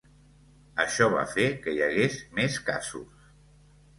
Això va fer que hi hagués més casos.